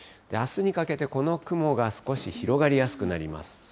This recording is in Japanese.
あすにかけてこの雲が少し広がりやすくなります。